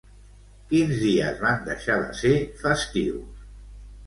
Quins dies van deixar de ser festius?